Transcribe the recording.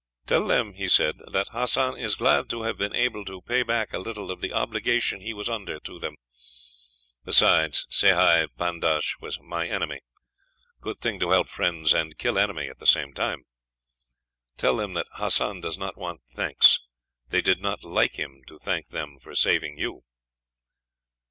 "Tell them," he said, "that Hassan is glad to have been able to pay back a little of the obligation he was under to them. Besides, Sehi Pandash was my enemy. Good thing to help friends and kill enemy at the same time. Tell them that Hassan does not want thanks; they did not like him to thank them for saving you."